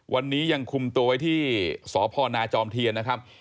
วันนี้ยังคุมตัวไว้ที่สพนาจอมเทียนนะครับ